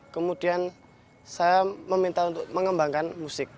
kemudian saya meminta untuk mengembangkan musik